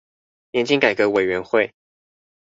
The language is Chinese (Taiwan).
年金改革委員會